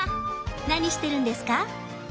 何してるんですか？